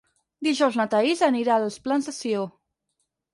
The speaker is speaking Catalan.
Dijous na Thaís anirà als Plans de Sió.